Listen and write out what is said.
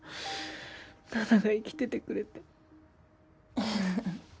菜奈が生きててくれて。